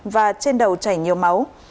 và trên đầu chảy nhiều máu